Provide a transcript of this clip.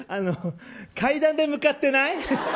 階段で向ってない？